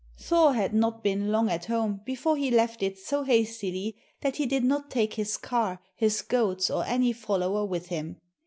Thor had not been long at home before he left it so hastily that he did not take his car, his goats, or any follower with him.